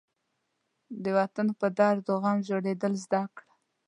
د وطن په درد و غم ژړېدل زده کړه.